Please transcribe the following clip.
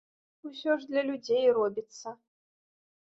Усё ж для людзей робіцца.